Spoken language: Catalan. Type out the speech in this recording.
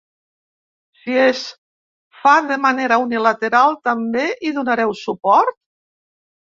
Si es fa de manera unilateral, també hi donareu suport?